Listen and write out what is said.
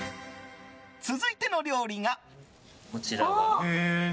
続いての料理が。